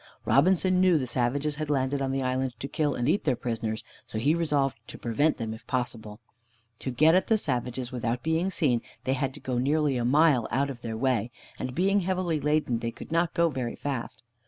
Robinson knew the savages had landed on the island to kill and eat their prisoners, so he resolved to prevent them if possible. To get at the savages without being seen, they had to go nearly a mile out of their way, and being heavily laden they could not go very fast.